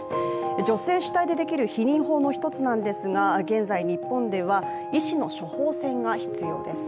女性主体でできる避妊法の一つなんですが現在日本では医師の処方箋が必要です。